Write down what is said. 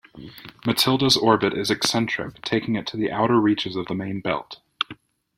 Mathilde's orbit is eccentric, taking it to the outer reaches of the main belt.